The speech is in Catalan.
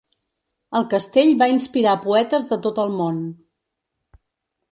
El castell va inspirar poetes de tot el món.